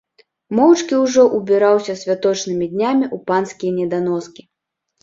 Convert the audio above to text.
Моўчкі ўжо ўбіраўся святочнымі днямі ў панскія неданоскі.